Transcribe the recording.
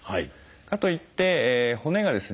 かといって骨がですね